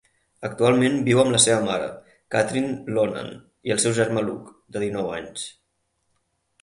Actualment viu amb la seva mare, Kathryn Loughnan, i el seu germà Luke, de dinou anys.